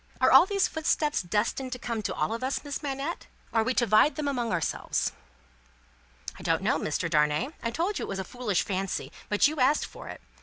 "Are all these footsteps destined to come to all of us, Miss Manette, or are we to divide them among us?" "I don't know, Mr. Darnay; I told you it was a foolish fancy, but you asked for it.